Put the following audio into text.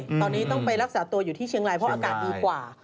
ตอนนี้ต้องไปรักษาตัวอยู่ที่เชียงรายเพราะอากาศดีกว่า